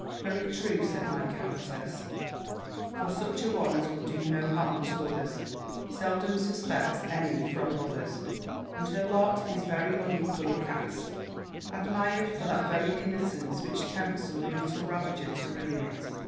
"Very true," said my countess; "for such an one as would do no harm to others, seldom suspects any from others; and her lot is very unequally cast; admired for that very innocence which tempts some brutal ravager to ruin it."